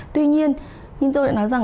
tuy nhiên nhân dô đã nói rằng